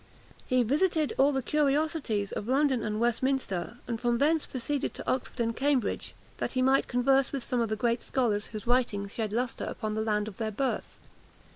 He visited all the curiosities of London and Westminster, and from thence proceeded to Oxford and Cambridge, that he might converse with some of the great scholars whose writings shed lustre upon the land of their birth.